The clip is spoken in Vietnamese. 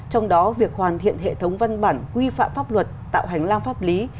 trong đó việc hoàn thiện hệ thống văn bản quy phạm pháp luật tạo hành lang pháp lý